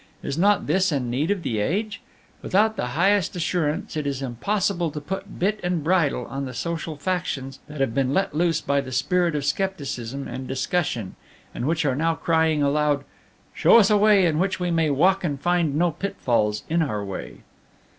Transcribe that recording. Is not this a need of the age? Without the highest assurance, it is impossible to put bit and bridle on the social factions that have been let loose by the spirit of scepticism and discussion, and which are now crying aloud: 'Show us a way in which we may walk and find no pitfalls in our way!'